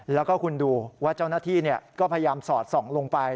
แล้วก็คุณดูว่าเจ้าหน้าที่ก็พยายามสอดส่องลงไป